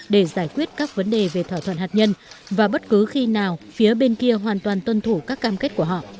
để giải quyết các vấn đề về thỏa thuận hạt nhân và bất cứ khi nào phía bên kia hoàn toàn tuân thủ các cam kết của họ